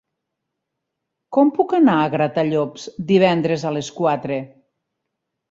Com puc anar a Gratallops divendres a les quatre?